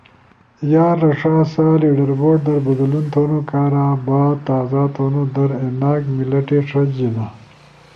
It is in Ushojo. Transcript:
یاد رݜا سا لیڈر بورڈ در بدلون تھونو کارا بھا تازہ تھونو در ایناک منلٹی ݜجینا۔